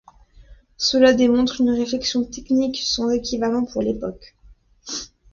Cela démontre une réflexion technique sans équivalent pour l'époque.